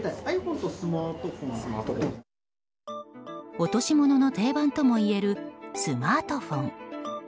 落し物の定番ともいえるスマートフォン。